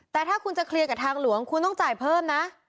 แต่ถ้าคุณจะเคลียร์กับทางหลวงคุณต้องจ่ายเพิ่มนะ